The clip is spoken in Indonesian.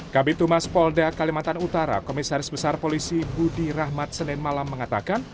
kb tumas polda kalimantan utara komisaris besar polisi budi rahmat senin malam mengatakan